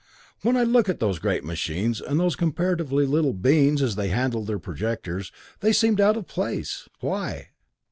"When I looked at those great machines, and those comparatively little beings as they handled their projectors, they seemed out of place. Why?"